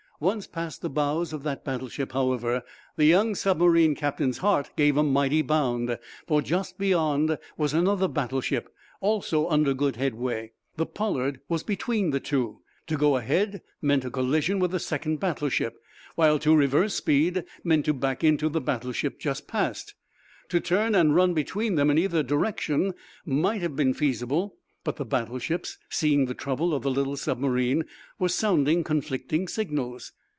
Once past the bows of that battleship, however, the young submarine captain's heart gave a mighty bound. For, just beyond, was another battleship, also under good headway. The "Pollard" was between the two. To go ahead meant a collision with the second battleship, while to reverse speed meant to back into the battleship just passed. To turn and run between them in either direction might have been feasible, but the battleships, seeing the trouble of the little submarine, were sounding conflicting signals.